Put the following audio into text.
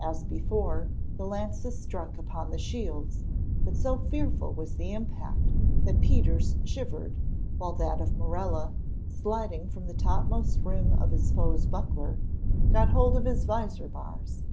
As before, the lances struck upon the shields; but so fearful was the impact, that Peter's shivered, while that of Morella, sliding from the topmost rim of his foe's buckler, got hold in his visor bars.